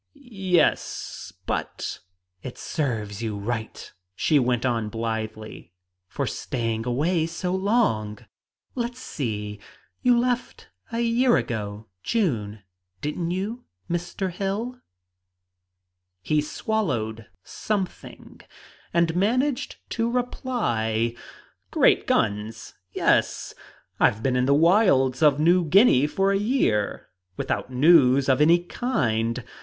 "Yes, but " "It serves you right," she went on blithely, "for staying away so long. Let's see you left a year ago June, didn't you, Mr. Hill?" He swallowed something and managed to reply, "Great guns, yes! I've been in the wilds of New Guinea for a year without news of any kind!